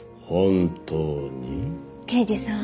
刑事さん